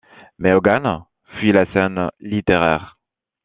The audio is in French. Mais Hogan fuit la scène littéraire.